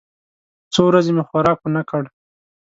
څو ورځې مې خوراک ونه کړ.